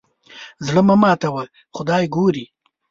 زړه مه ماتوه خدای ګوري.